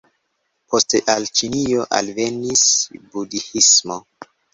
Poste al Ĉinio alvenis budhismo.